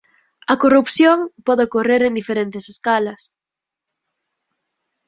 A corrupción pode ocorrer en diferentes escalas.